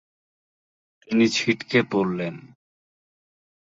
তিনি ছিটকে পড়লেন।